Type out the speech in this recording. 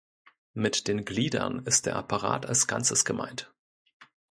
Mit den Gliedern ist der Apparat als Ganzes gemeint.